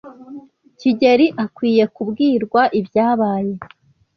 kigeli akwiye kubwirwa ibyabaye.